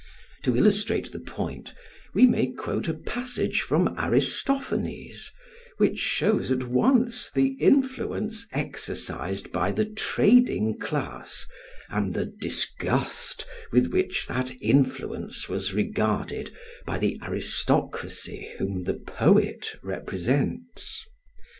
To illustrate the point we may quote a passage from Aristophanes which shows at once the influence exercised by the trading class and the disgust with which that influence was regarded by the aristocracy whom the poet represents.